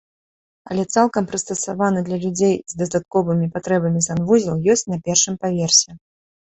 Але цалкам прыстасаваны для людзей з дадатковымі патрэбамі санвузел ёсць на першым паверсе.